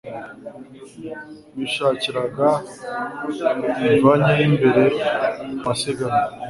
Bishakiraga imvanya y'imbere mu masinagogi.